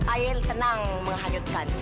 ail tenang menghanyutkan